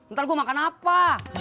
ntar gua makan apa